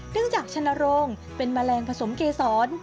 จากชนโรงเป็นแมลงผสมเกษร